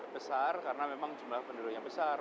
besar karena memang jumlah penduduknya besar